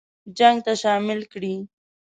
جنګ ته شامل کړي.